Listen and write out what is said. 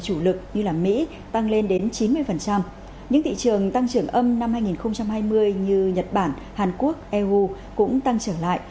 chủ lực như mỹ tăng lên đến chín mươi những thị trường tăng trưởng âm năm hai nghìn hai mươi như nhật bản hàn quốc eu cũng tăng trưởng lại